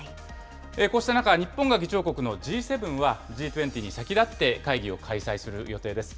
こうした中、日本が議長国のＧ７は、Ｇ２０に先立って会議を開催する予定です。